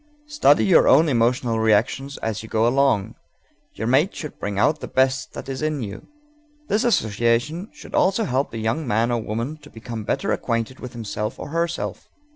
Study your own emotional reactions as you go along; your mate should bring out the best that is in you._ This association should also help the young man or woman to become better acquainted with himself or herself.